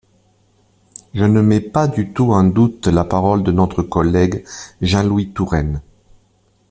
Je ne mets pas du tout en doute la parole de notre collègue Jean-Louis Touraine.